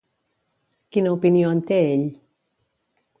Quina opinió en té ell?